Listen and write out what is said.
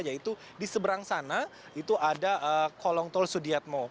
yaitu di seberang sana itu ada kolong tol sudiatmo